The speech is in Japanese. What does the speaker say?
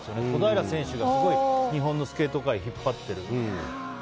小平選手が、すごい、日本のスケート界を引っ張っている。